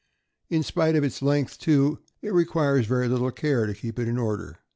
In spite of its length, too, it requires very little care to keep it in order.